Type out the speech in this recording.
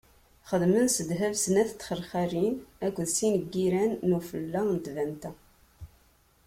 Xedmen s ddheb snat n txelxalin akked sin n yiran n ufella n tbanta.